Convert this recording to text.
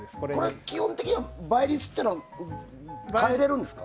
基本的に倍率というのは変えられるんですか。